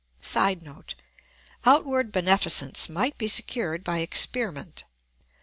[Sidenote: Outward beneficence might be secured by experiment.